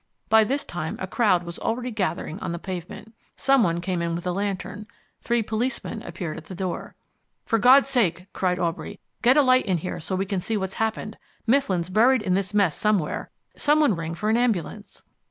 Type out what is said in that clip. By this time a crowd was already gathering on the pavement. Someone came in with a lantern. Three policemen appeared at the door. "For God's sake," cried Aubrey, "get a light in here so we can see what's happened. Mifflin's buried in this mess somewhere. Someone ring for an ambulance."